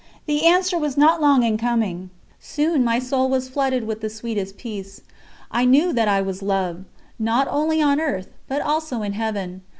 The answer was not long in coming; soon my soul was flooded with the sweetest peace. I knew that I was loved, not only on earth but also in Heaven.